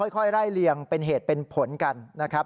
ค่อยไล่เลี่ยงเป็นเหตุเป็นผลกันนะครับ